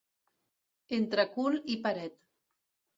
Entre cul i paret.